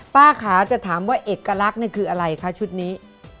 ป้าขาจะถามว่าเอกลักษณ์นี่คืออะไรคะชุดนี้